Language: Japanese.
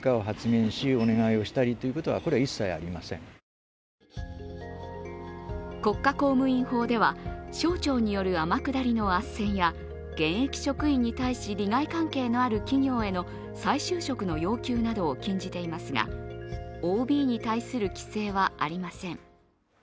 元次官は国家公務員法では、省庁による天下りのあっせんや現役職員に対し利害関係のある企業への再就職の要求などを禁じていますが、ＯＢに対する規制はありません。